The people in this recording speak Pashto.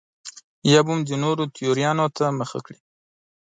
یا به هم د نورو تیوریانو ته مخه کړي.